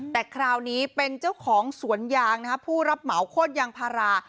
แต่คราวนี้เป็นเจ้าของสวนยางนะครับผู้รับเหมาโคตรยางพารา